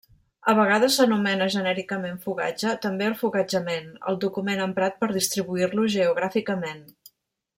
A vegades s'anomena genèricament fogatge també el fogatjament, el document emprat per a distribuir-lo geogràficament.